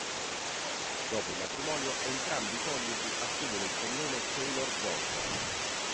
Dopo il matrimonio, entrambi i coniugi assumono il cognome Taylor-Johnson.